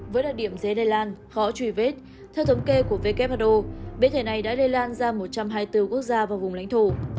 với đặc điểm dễ lây lan khó truy vết theo thống kê của who biến thể này đã lây lan ra một trăm hai mươi bốn quốc gia và vùng lãnh thổ